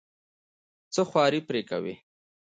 څه خواري پرې کوې.